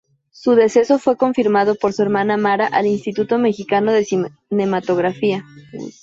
Su deceso fue confirmado por su hermana Mara al Instituto Mexicano de Cinematografía.